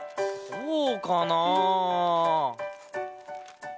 こうかな？